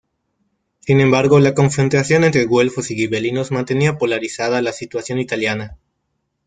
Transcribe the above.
Sin embargo la confrontación entre güelfos y gibelinos mantenía polarizada la situación italiana.